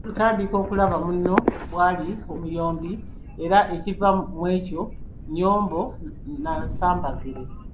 Otandika okulaba munno bw'ali omuyombi era ekiva mu ekyo nnyombo na nsambaggere.